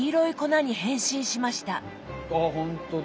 あほんとだ。